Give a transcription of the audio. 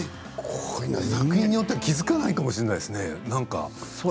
作品によっては気付かないかもしれないですね。